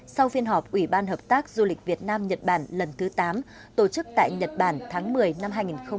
sau phiên họp ủy ban hợp tác du lịch việt nam nhật bản lần thứ tám tổ chức tại nhật bản tháng một mươi năm hai nghìn một mươi chín